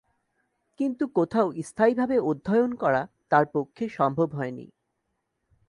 কিন্তু কোথাও স্থায়িভাবে অধ্যয়ন করা তাঁর পক্ষে সম্ভব হয়নি।